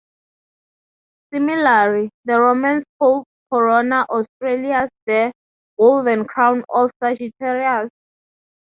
Similarly, the Romans called Corona Australis the "Golden Crown of Sagittarius".